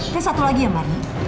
tapi satu lagi ya marni